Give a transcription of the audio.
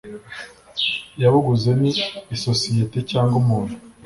yabuguze n isosiyete cyangwa umuntu